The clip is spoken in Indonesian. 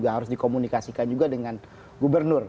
harus dikomunikasikan juga dengan gubernur